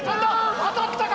当たったか？